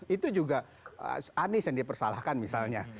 itu juga anies yang dipersalahkan misalnya